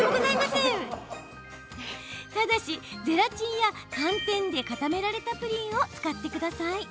ただし、ゼラチンや寒天で固められたプリンを使ってください。